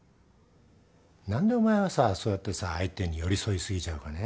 何でお前はさそうやってさ相手に寄り添い過ぎちゃうかね。